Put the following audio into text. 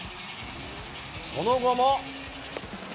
その後も。